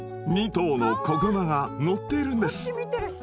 ２頭の子グマが乗っているんです。